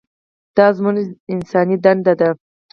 دا زموږ انساني دنده ده.